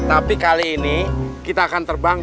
tapi kali ini kita akan terbang